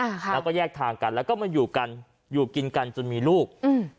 ค่ะแล้วก็แยกทางกันแล้วก็มาอยู่กันอยู่กินกันจนมีลูกอืม